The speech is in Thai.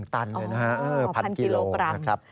ตันเลยนะฮะ๑๐๐กิโลกรัมนะครับ